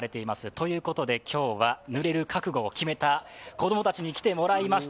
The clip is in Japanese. ということで、今日はぬれる覚悟を決めた子供たちに来ていただきました。